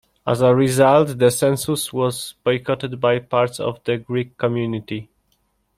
As a result, the census was boycotted by parts of the Greek community.